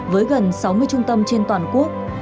với gần sáu mươi trung tâm trên toàn quốc